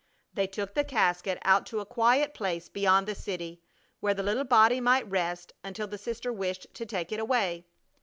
They took the casket out to a quiet place beyond the city, where the little body might rest until the sister wished to take it away.